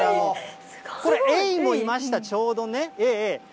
これ、エイもいました、ちょうどね。